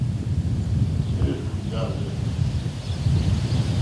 Érzù jârzɛ̂.